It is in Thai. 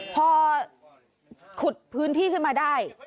พอขุดพื้นที่ขึ้นมาได้